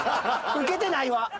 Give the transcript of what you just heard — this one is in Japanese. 「ウケてない」は。